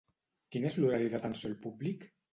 Quin és l'horari d'atenció al públic?